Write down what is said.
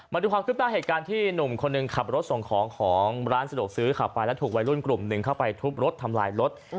มาดูความคืบหน้าเหตุการณ์ที่หนุ่มคนหนึ่งขับรถส่งของของร้านสะดวกซื้อขับไปแล้วถูกวัยรุ่นกลุ่มหนึ่งเข้าไปทุบรถทำลายรถ